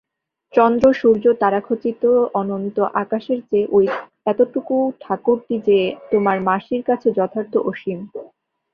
চন্দ্রসূর্যতারাখচিত অনন্ত আকাশের চেয়ে ঐ এতটুকু ঠাকুরটি যে তোমার মাসির কাছে যথার্থ অসীম।